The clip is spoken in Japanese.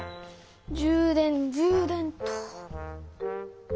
充電充電っと。